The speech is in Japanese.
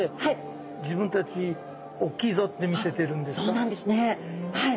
そうなんですねはい。